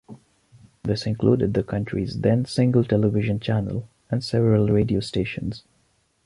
This included the country's then-single television channel and several radio stations.